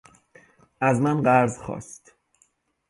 از من قرض خواست.